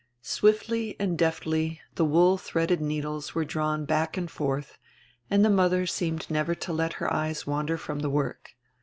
Swiftly and deftly the wool threaded needles were drawn back and forth, and die mother seemed never to let her eyes wander from die work.